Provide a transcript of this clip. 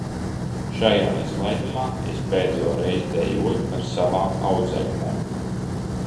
Šajā izlaidumā es pēdējo reizi dejoju ar savām audzēknēm.